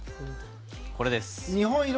これです。